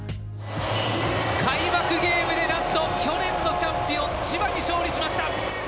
開幕ゲームで何と去年のチャンピオン千葉が勝利しました。